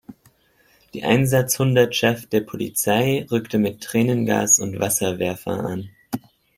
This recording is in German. Die Einsatzhundertschaft der Polizei rückte mit Tränengas und Wasserwerfer an.